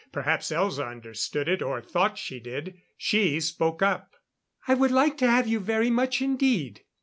Perhaps Elza understood it, or thought she did. She spoke up. "I would like to have you very much, indeed."